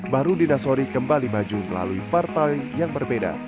bahru dinasori kembali maju melalui partai yang berbeda